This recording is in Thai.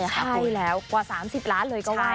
ใช่แล้วกว่า๓๐ล้านเลยก็ได้